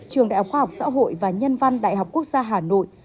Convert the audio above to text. trường đại học khoa học xã hội và nhân văn đại học quốc gia hà nội